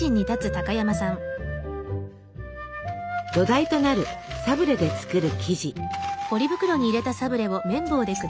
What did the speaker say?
土台となるサブレで作る生地。